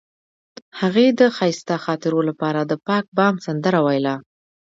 هغې د ښایسته خاطرو لپاره د پاک بام سندره ویله.